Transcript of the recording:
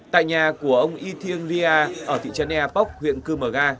tại nhà của ông y thiên ria ở thị trấn eapok huyện cư mờ ga